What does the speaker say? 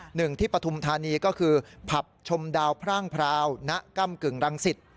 หนึ่งที่ปฐุมธานีก็คือผับชมดาวพร่างพราวณก้ำกึ่งรังสิต